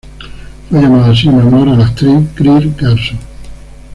Fue llamada así en honor a la actriz Greer Garson.